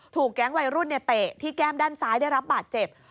แก๊งวัยรุ่นเตะที่แก้มด้านซ้ายได้รับบาดเจ็บ